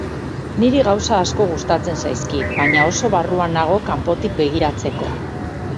Niri gauza asko gustatzen zaizkit, baina oso barruan nago kanpotik begiratzeko.